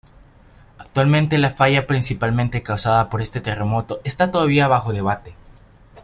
Actualmente la Falla principalmente causada por este terremoto está todavía bajo debate.